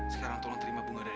sekarang tolong terima bunga dari